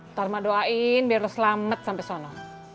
ntar mak doain biar lo selamat sampai sana